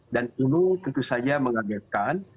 dan ini tentu saja mengagetkan